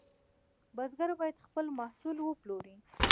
بزګر باید خپل محصول وپلوري.